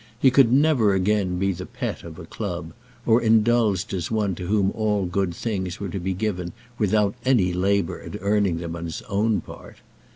He could never again be the pet of a club, or indulged as one to whom all good things were to be given without any labour at earning them on his own part.